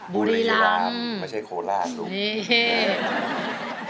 บุรีรัมป์ไม่ใช่โคลาศลุง